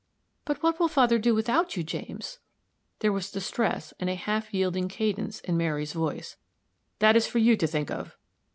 "But what will father do without you, James?" There was distress and a half yielding cadence in Mary's voice. "That is for you to think of."